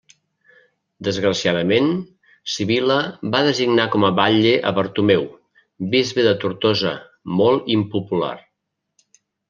Desgraciadament, Sibil·la va designar com batlle a Bartomeu, bisbe de Tortosa, molt impopular.